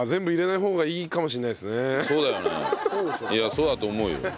いやそうだと思うよ。